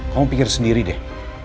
kamu pikir sendiri deh